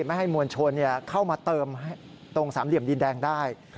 ไม่ให้มวลชนเข้ามาเติมตรงสามเหลี่ยมดินแดงได้